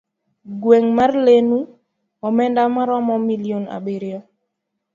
gweng' mar Lenu, omenda maromo milion abiriyo.